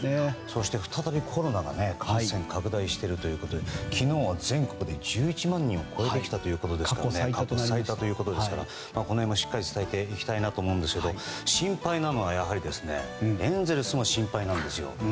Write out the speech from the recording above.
そして再びコロナが感染拡大しているということで昨日は全国で１１万人を超えてきたということで過去最多ということですのでこの辺もしっかり伝えていきたいと思いますが心配なのはエンゼルスも心配なんですよ。